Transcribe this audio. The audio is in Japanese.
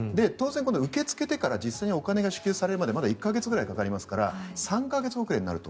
受け付けてからお金が支給されるまでまだ１か月ぐらいかかりますから３か月遅れになると。